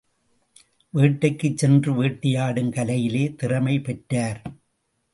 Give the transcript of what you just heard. வேட்டைக்குச் சென்று வேட்டையாடும் கலையிலே திறமை பெற்றார்.